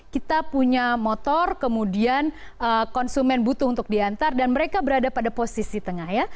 kita punya motor kemudian konsumen butuh untuk diantar dan mereka berada pada posisi tengah ya